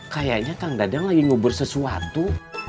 kayaknya kang dadang lagi ngubur sesuatu